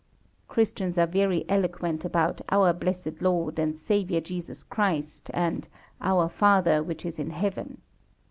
Christians are very eloquent about Our Blessed Lord and Saviour Jesus Christ, and Our Father which is in Heaven.